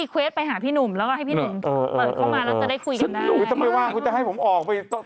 ใช่ไหมปุ๊กโกะมาเล่นทุกวันเลย